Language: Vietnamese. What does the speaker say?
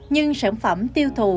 nhưng sản phẩm tiêu thụ